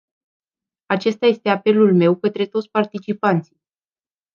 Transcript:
Acesta este apelul meu către toți participanții.